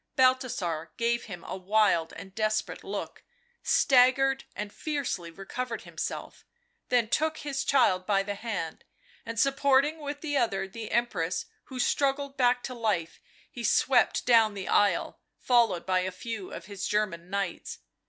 Balthasar gave him a wild and desperate look, stag gered and fiercely recovered himself, then took his child by the hand, and supporting with the other the Empress, who struggled back to life, he swept down the aisle, followed by a few of his German knights.